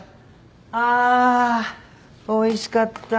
あおいしかった。